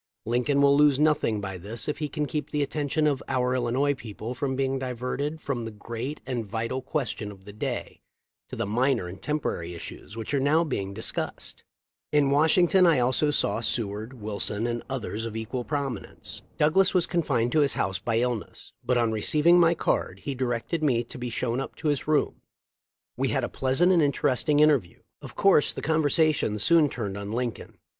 Lincoln will lose nothing by this if he can keep the attention of our Illinois people from being diverted from the great and vital question of the day to the minor and temporary issues w r hich are now being dis cussed."* In Washington I saw also Seward, Wil son, and others of equal prominence. Douglas was confined to his house by illness, but on receiv ing my card he directed me to be shown up to his room. We had a pleasant and interesting inter view. Of course the conversation soon turned on Lincoln.